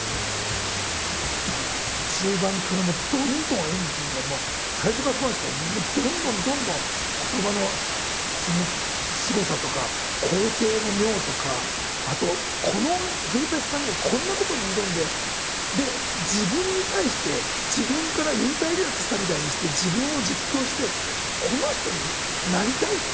中盤からどんどんエンジンがもう最初からすごいんですけどどんどんどんどん言葉のすごさとか構成の妙とかあとこの古さんがこんなことに挑んでで自分に対して自分から幽体離脱したみたいにして自分を実況して。